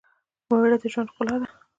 مېړه دژوند ښکلا ده